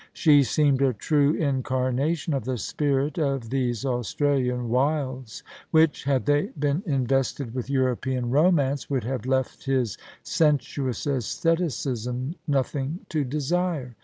She seemed a true incarnation of the spirit of these Australian wilds, which, had they been invested with European romance, would have left his sensuous aestheticism nothing to desire.